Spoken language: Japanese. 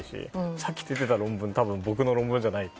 さっき出てた論文は多分、僕の論文じゃない。